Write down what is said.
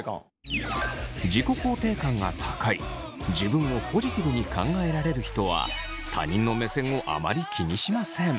自分をポジティブに考えられる人は他人の目線をあまり気にしません。